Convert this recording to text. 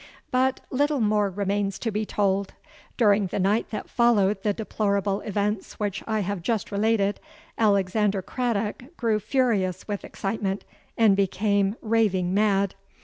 "But little more remains to be told. During the night that followed the deplorable events which I have just related, Alexander Craddock grew furious with excitement, and became raving mad.